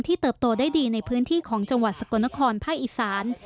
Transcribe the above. เติบโตได้ดีในพื้นที่ของจังหวัดสกลนครภาคอีสาน